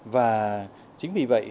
và chính vì vậy